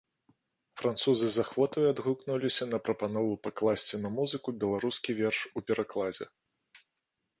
Французы з ахвотаю адгукнуліся на прапанову пакласці на музыку беларускі верш у перакладзе.